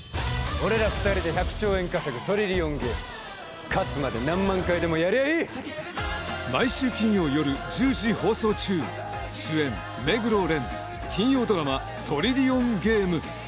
俺ら二人で１００兆円稼ぐトリリオンゲーム勝つまで何万回でもやりゃあいい毎週金曜夜１０時放送中主演目黒蓮金曜ドラマ「トリリオンゲーム」